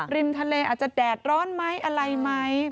ริมทะเลอาจจะแดดร้อนไหมอะไรไหม